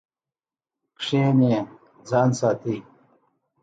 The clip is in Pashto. کینې څخه ځان ساتئ